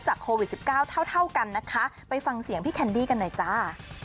โควิด๑๙เท่าเท่ากันนะคะไปฟังเสียงพี่แคนดี้กันหน่อยจ้า